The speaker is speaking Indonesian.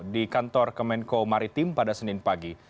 di kantor kemenko maritim pada senin pagi